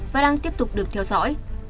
và đang tiếp tục được theo dõi